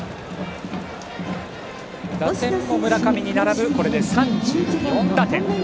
打点も村上に並ぶ３４打点。